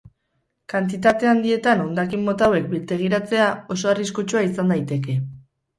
Kantitate handietan hondakin mota hauek biltegiratzea oso arriskutsua izan daiteke.